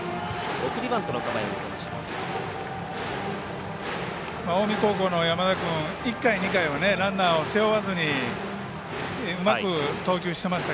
送りバントの構えを見せました。